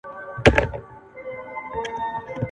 لا« څشي غواړی» له واکمنانو ..